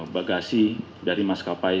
bagasi dari maskapai